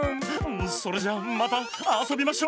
それじゃまたあそびましょ。